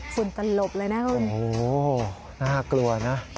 ฝุ่นตลบเลยนะโอ้โฮน่ากลัวนะ